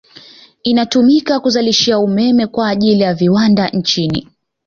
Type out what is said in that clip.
Inatumika kuzalishia umeme kwa ajili ya viwandani nchini